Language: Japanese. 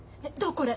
これ。